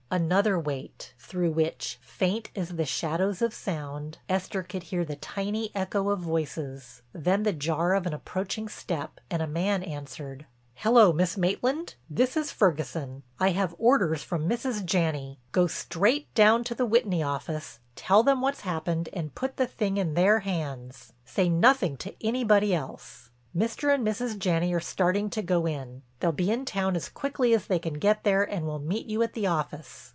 Another wait, through which, faint as the shadows of sound, Esther could hear the tiny echo of voices, then the jar of an approaching step and a man answered: "Hello, Miss Maitland, this is Ferguson. I've orders from Mrs. Janney—Go straight down to the Whitney office, tell them what's happened and put the thing in their hands. Say nothing to anybody else. Mr. and Mrs. Janney are starting to go in. They'll be in town as quickly as they can get there and will meet you at the office.